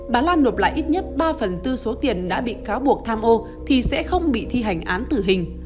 bà lan nộp lại ít nhất ba phần tư số tiền đã bị cáo buộc tham ô thì sẽ không bị thi hành án tử hình